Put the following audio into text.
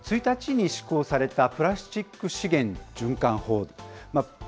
１日に施行されたプラスチック資源循環法。